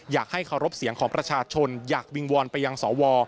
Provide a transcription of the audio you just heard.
อยากให้เคารพเสียงของประชาชนอยากวิงวอนไปยังสว